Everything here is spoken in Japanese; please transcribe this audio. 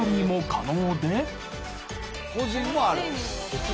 個人もある。